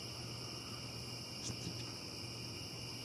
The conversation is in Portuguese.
Estado de novo tipo